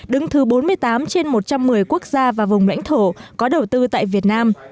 đứng thứ bốn mươi tám trên một trăm một mươi quốc gia và vùng lãnh thổ có đầu tư tại việt nam